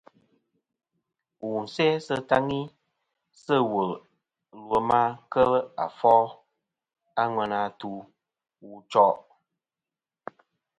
Wù sè sɨ taŋi sɨ̂ wùl ɨ lwema kelɨ̀ àfol a ŋweyn atu wu choʼ.